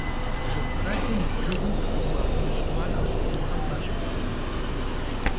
Jjıg xadem yit jjıgım khıpıxua kxhuj xhuaxer ts'ık'uxem khaşıpxet.